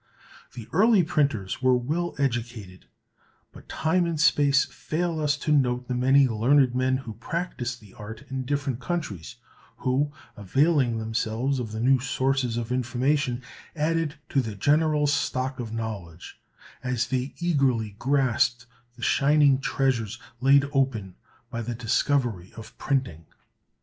The early printers were well educated; but time and space fail us to note the many learned men who practiced the art in different countries, who, availing themselves of the new sources of information, added to the general stock of knowledge as they eagerly grasped the shining treasures laid open by the discovery of printing.